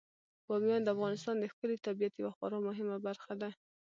بامیان د افغانستان د ښکلي طبیعت یوه خورا مهمه برخه ده.